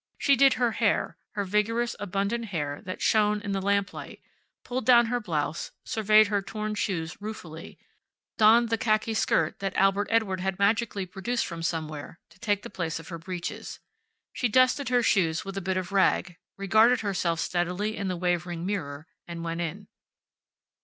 She did her hair her vigorous, abundant hair that shone in the lamplight, pulled down her blouse, surveyed her torn shoes ruefully, donned the khaki skirt that Albert Edward had magically produced from somewhere to take the place of her breeches. She dusted her shoes with a bit of rag, regarded herself steadily in the wavering mirror, and went in.